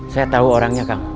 saya tau orangnya kang